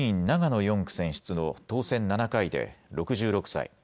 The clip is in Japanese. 野４区選出の当選７回で６６歳。